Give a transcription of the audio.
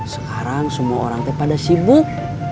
sekarang semua orang itu pada sibuk